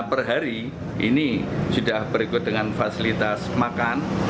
perhari ini sudah berikut dengan fasilitas makan